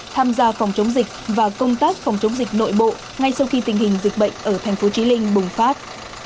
tham gia phòng chống dịch và công tác phòng chống dịch nội bộ ngay sau khi tình hình dịch bệnh ở thành phố trí linh bùng phát